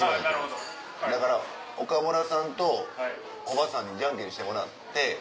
だから岡村さんとコバさんにじゃんけんしてもらって。